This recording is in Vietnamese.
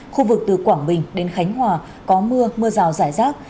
khu vực từ quảng bình đến khánh hòa có mưa mưa rào rải rác